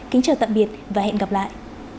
kính chào tạm biệt và hẹn gặp lại